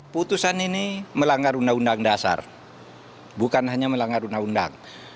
putusan ini melanggar undang undang dasar bukan hanya melanggar undang undang